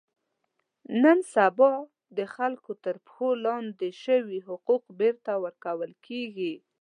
نن سبا د خلکو تر پښو لاندې شوي حقوق بېرته ور کول کېږي.